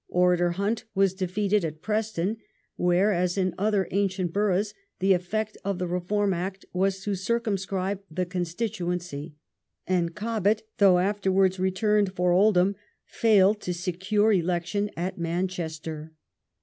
"Orator" Hunt was defeated at Preston, where, as in other ancient boroughs, the effect of the Reform Act was to circumscribe the constituency; and Cobbett, though afterwards returned for Oldham, failed to secure election at Manchester.